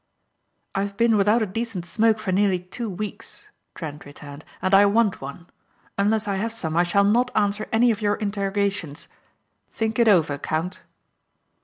"I have been without a decent smoke for nearly two weeks," Trent returned. "And I want one. Unless I have some I shall not answer any one of your interrogations. Think it over, count."